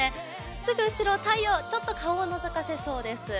すぐ後ろ、太陽、ちょっと顔をのぞかせそうです。